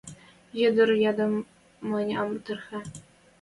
Ӹдӹр ядмым мӹнь ам тырхы.